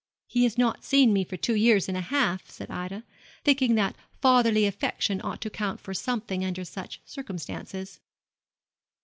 'He has not seen me for two years and a half,' said Ida, thinking that fatherly affection ought to count for something under such circumstances.